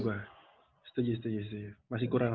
betul setuju itu gua setuju setuju setuju masih kurang